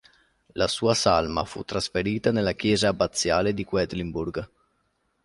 La sua salma fu trasferita nella chiesa abbaziale di Quedlinburg.